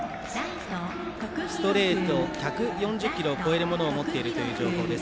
ストレート１４０キロを超えるものを持っているという情報です。